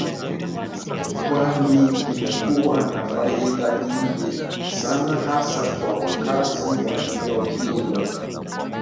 Kwani limekuwa na faida nyingi sana hasa kwa wakazi wa eneo hilo